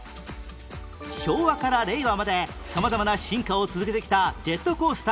昭和から令和まで様々な進化を続けてきたジェットコースターの歴史